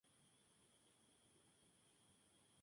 El título preliminar fue "Winds of Change".